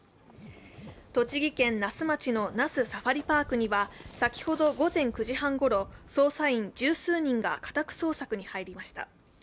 栃木県那須町の那須サファリパークには先ほど、午前９時半ごろ、捜査員十数人が家宅捜索に入りました。